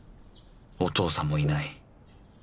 お父さんもいない